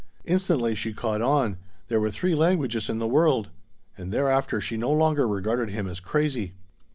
Instantly she caught on: there were three languages in the world. And thereafter she no longer regarded him as crazy.